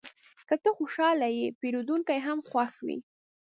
که ته خوشحاله یې، پیرودونکی هم خوښ وي.